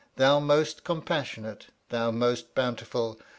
Thou most Compassionate! Thou most Bountiful!